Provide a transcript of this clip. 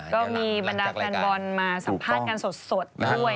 ก็มีบรรดาแฟนบอลมาสัมภาษณ์งานสดด้วย